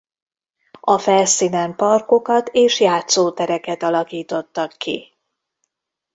A felszínen parkokat és játszótereket alakítottak ki.